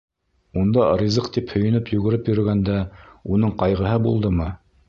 Унда ризыҡ тип һөйөнөп йүгереп йөрөгәндә уның ҡайғыһы булдымы?